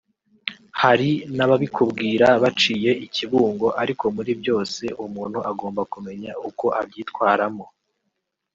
hari n’ababikubwira baciye i Kibungo ariko muri byose umuntu agomba kumenya uko abyitwaramo